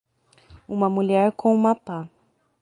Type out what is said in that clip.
Uma mulher com uma pá.